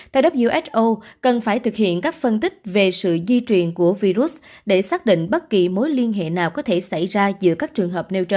theo who cần phải thực hiện các phân tích về sự di truyền của virus để xác định bất kỳ mối liên hệ nào có thể xảy ra giữa các trường hợp nêu trên